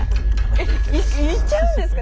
えっ行っちゃうんですか